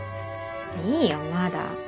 いいよまだ。